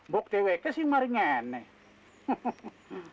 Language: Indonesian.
buk deweke sih kembali ke desa